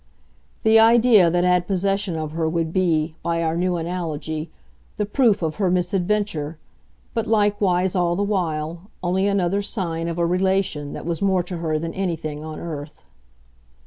The idea that had possession of her would be, by our new analogy, the proof of her misadventure, but likewise, all the while, only another sign of a relation that was more to her than anything on earth.